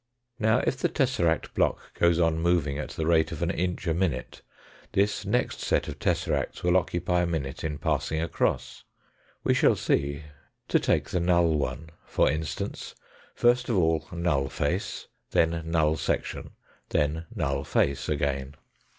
Now if the tesseract block goes on moving at the rate of an inch a minute, this next set of tesseracts will occupy a minute in passing across. We shall see, to take the null one for instance, first of all null face, then null section, then null face again.